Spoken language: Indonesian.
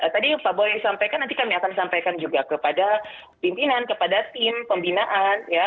tadi pak boy sampaikan nanti kami akan sampaikan juga kepada pimpinan kepada tim pembinaan